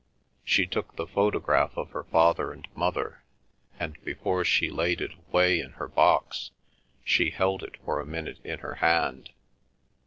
She took the photograph of her father and mother, and, before she laid it away in her box, she held it for a minute in her hand.